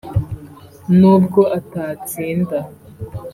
nubwo atatsinda